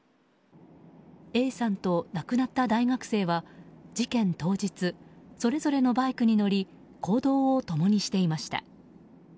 Ａさんと亡くなった大学生は事件当日それぞれのバイクに乗り行動を共にしていました。